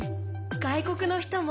外国の人も。